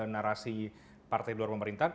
narasi partai luar pemerintahan